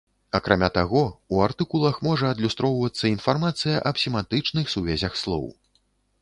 Акрамя таго, у артыкулах можа адлюстроўвацца інфармацыя аб семантычных сувязях слоў.